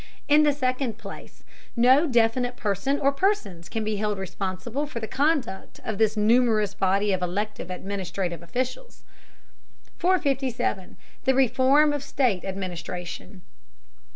In the second place, no definite person or persons can be held responsible for the conduct of this numerous body of elective administrative officials. 457. THE REFORM OF STATE ADMINISTRATION.